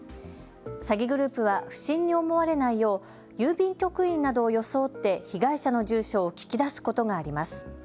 詐欺グループは不審に思われないよう郵便局員などを装って被害者の住所を聞き出すことがあります。